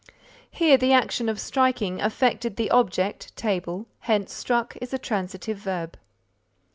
Here the action of striking affected the object table, hence struck is a transitive verb.